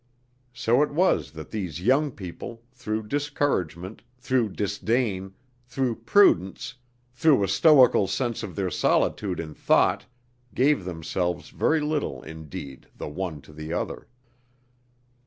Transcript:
So it was that these young people, through discouragement, through disdain, through prudence, through a stoical sense of their solitude in thought, gave themselves very little indeed the one to the other.